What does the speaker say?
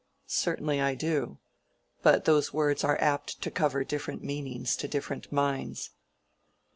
"Certainly I do. But those words are apt to cover different meanings to different minds."